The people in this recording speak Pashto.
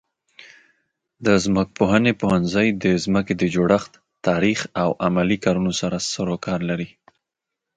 د ځمکپوهنې پوهنځی د ځمکې د جوړښت، تاریخ او عملي کارونو سره سروکار لري.